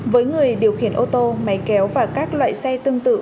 với người điều khiển ô tô máy kéo và các loại xe tương tự